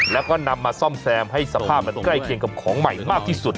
แล้วก็นำมาซ่อมแซมให้สภาพมันใกล้เคียงกับของใหม่มากที่สุด